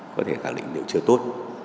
có thể khẳng định điều chưa tốt